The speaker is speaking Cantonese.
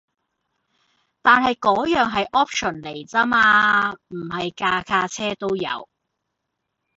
但係嗰樣係 option 嚟咋嘛，唔係架架車都有